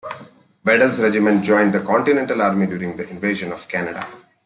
Bedel's Regiment joined the Continental Army during the Invasion of Canada.